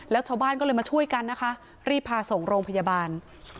แล้วชาวบ้านก็เลยมาช่วยกันนะคะรีบพาส่งโรงพยาบาล